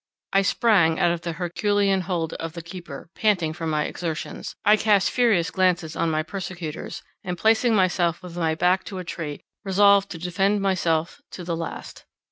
I sprang out of the herculean hold of the keeper, panting from my exertions; I cast furious glances on my persecutors, and placing myself with my back to a tree, resolved to defend myself to the last.